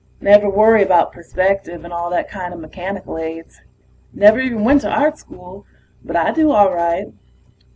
Never worry about perspective and all that kinda mechanical aids. Never even went to Art School. But I do all right.